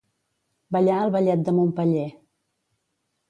Ballar el ballet de Montpeller.